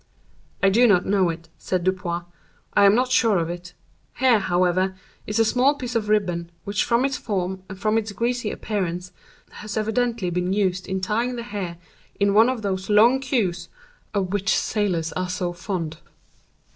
"I do not know it," said Dupin. "I am not sure of it. Here, however, is a small piece of ribbon, which from its form, and from its greasy appearance, has evidently been used in tying the hair in one of those long queues of which sailors are so fond.